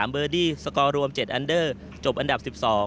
เบอร์ดี้สกอร์รวม๗อันเดอร์จบอันดับ๑๒